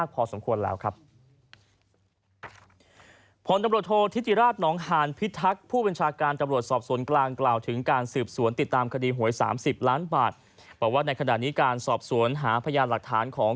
การสอบศูนย์หาพยายามหลักฐานของ